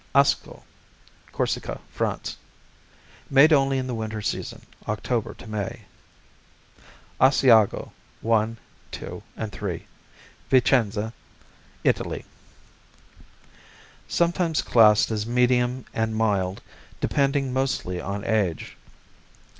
Asco Corsica, France Made only in the winter season, October to May. Asiago I, II and III Vicenza, Italy Sometimes classed as medium and mild, depending mostly on age.